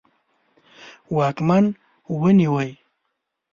واکمن ونیوی.